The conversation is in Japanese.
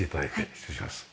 失礼します。